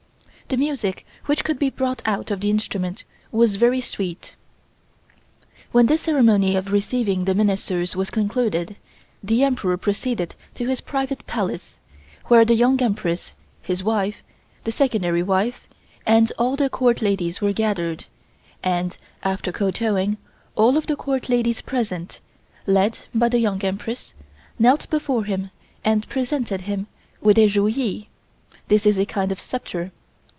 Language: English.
The music which could be brought out of the instrument was very sweet. When this ceremony of receiving the Ministers was concluded, the Emperor proceeded to his private Palace, where the Young Empress (his wife), the Secondary wife and all the Court ladies were gathered, and, after kowtowing, all of the Court ladies present, led by the Young Empress, knelt before him and presented him with a Ru Yee. This is a kind of sceptre.